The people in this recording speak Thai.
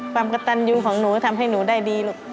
ความกระตันยูของหนูทำให้หนูได้ดีลูก